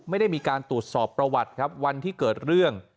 ไม่ได้มีการตรวจสอบประวัติครับวันที่เกิดเรื่อง